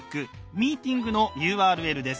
「ミーティングのＵＲＬ」です。